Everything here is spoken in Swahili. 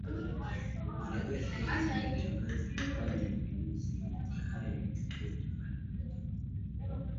madagascar limetangaza kufanya mapinduzi na hivyo kuchukuwa utawala wakati ambapo